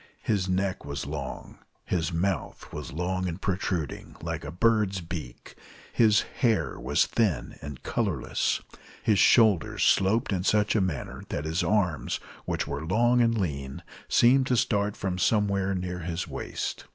His neck was long, his mouth was long and protruding, like a bird's beak, his hair was thin and colorless, his shoulders sloped in such a manner that his arms, which were long and lean, seemed to start from somewhere near his waist.